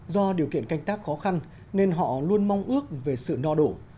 do điều kiện canh tác khó khăn nên họ luôn mong ước về sự no đổ